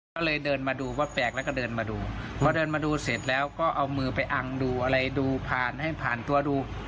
ก็เลยเดินมาดูว่าแปลกแล้วก็เดินมาดูพอเดินมาดูเสร็จแล้วก็เอามือไปอังดูอะไรดูผ่านให้ผ่านตัวดู